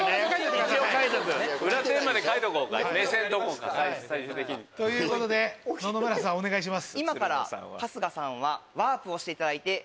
裏テーマで書いとこうか目線どこか。ということで野々村さんお願いします。